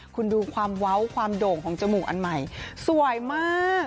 คุณดูความเว้าความโด่งของจมูกอันใหม่สวยมาก